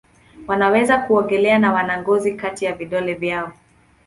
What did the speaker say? Wanaweza kuogelea na wana ngozi kati ya vidole vyao.